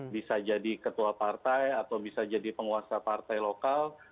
bisa jadi ketua partai atau bisa jadi penguasa partai lokal